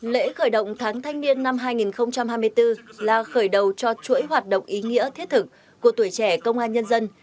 lễ khởi động tháng thanh niên năm hai nghìn hai mươi bốn là khởi đầu cho chuỗi hoạt động ý nghĩa thiết thực của tuổi trẻ công an nhân dân